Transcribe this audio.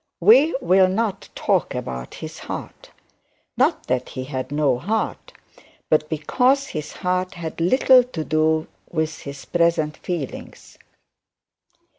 We will not talk of his heart: not that he had no heart, but because his heart had little to do with his present feelings.